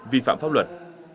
vi phạm pháp luật